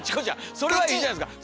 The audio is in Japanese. それはいいじゃないですか。